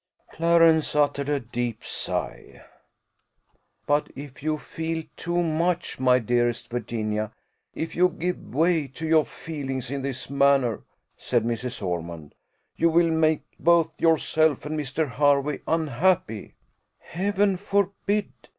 Clarence uttered a deep sigh. "But if you feel too much, my dearest Virginia, if you give way to your feelings in this manner," said Mrs. Ormond, "you will make both yourself and Mr. Hervey unhappy." "Heaven forbid!